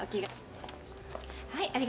はい。